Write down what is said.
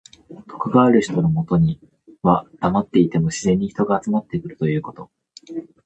徳がある人のもとにはだまっていても自然に人が集まってくるということ。